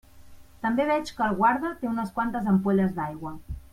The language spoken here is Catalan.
També veig que el guarda té unes quantes ampolles d'aigua.